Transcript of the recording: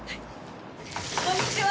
こんにちは。